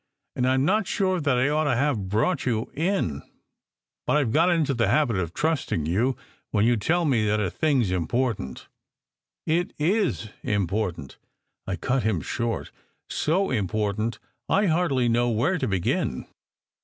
"And I m not sure that I ought to have brought you in, but I ve got into the habit of trusting you when you tell me that a thing s important." "It is important," I cut him short. "So important I hardly know where to begin."